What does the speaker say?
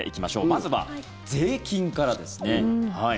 まずは、税金からですね。